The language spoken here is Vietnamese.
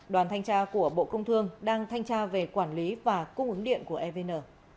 đoàn thanh tra của bộ công thương đang thanh tra về quản lý và cung ứng điện của evn